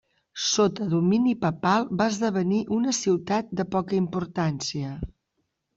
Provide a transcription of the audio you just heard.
Sota domini papal va esdevenir una ciutat de poca importància.